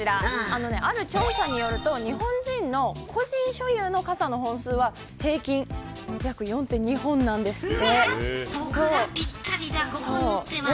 ある調査によると日本人の個人所有の傘の本数は平均約４．２本なんですって。